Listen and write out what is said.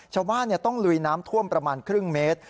ชาวบ้านต้องลุยน้ำท่วมประมาณครึ่งเมตร